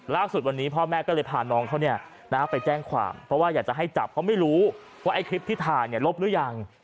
ล่าสุดวันนี้พ่อแม่ก็เลยพาน้องเขาไปแจ้งความเพราะว่าอยากจะให้จับเพราะไม่รู้ว่าไอ้คลิปที่ถ่ายลบหรือยัง